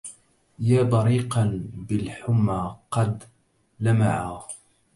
يا بريقاً بالحمى قد لمعا